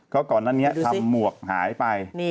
ก็ก่อนหน้านี้ทำหมวกหายไป